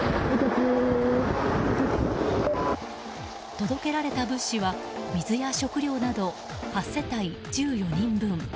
届けられた物資は水や食料など、８世帯１４人分。